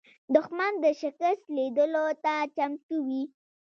دښمن د شکست لیدلو ته چمتو وي